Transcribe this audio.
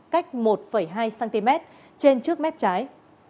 cách một hai cm trên trước mép trái